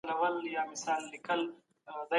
د غچ اخیستلو خوند ډیر ژر له منځه ځي.